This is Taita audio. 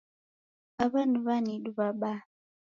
Awa ni w'anidu wabaha